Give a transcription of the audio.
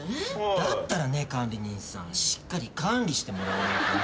だったらね管理人さんしっかり管理してもらわないとね。